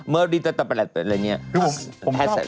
เมิร์คดีต่อไปอะไรอย่างนี้